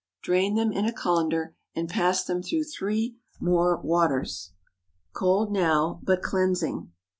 Drain them in a cullender, and pass them through three more waters—cold now, but cleansing.